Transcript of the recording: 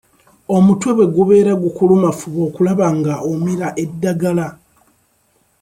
Omutwe bwe gubeera gukuluma fuba okulaba nga omira eddagala.